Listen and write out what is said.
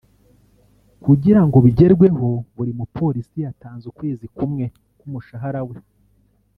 Kugirango bigerweho buri mupolisi yatanze ukwezi kumwe k’umushahara we